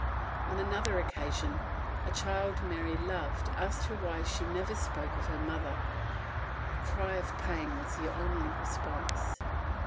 On another occasion, a child Mary loved asked her why she never spoke of her mother. A cry of pain was the only response.